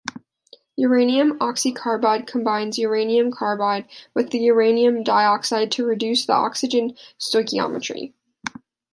Uranium oxycarbide combines uranium carbide with the uranium dioxide to reduce the oxygen stoichiometry.